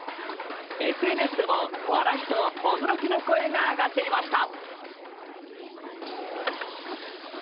ＳＮＳでも笑いと驚きの声が上がっていました。